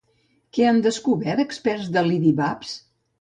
Què han descobert experts de l'Idibaps?